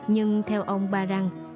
nhưng theo ông ba răng